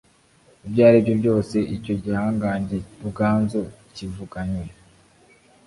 ibyo ari byo byose icyo gihangange ruganzu cyivuganywe